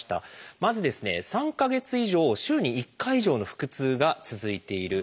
まずですね３か月以上週に１回以上の腹痛が続いている。